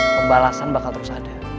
pembalasan bakal terus ada